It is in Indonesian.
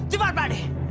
cepat pak d